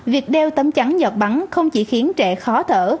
việc đeo tấm chắn giọt bắn không chỉ khiến trẻ khó thở